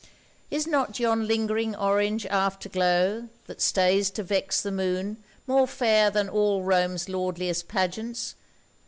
Is not yon lingering orange after glow That stays to vex the moon more fair than all Rome's lordliest pageants!